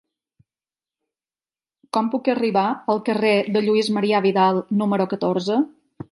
Com puc arribar al carrer de Lluís Marià Vidal número catorze?